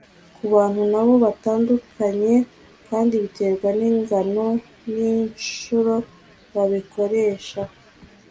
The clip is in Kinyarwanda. ku bantu nabo batandukanye kandi biterwa ningano ninshuro babikoresha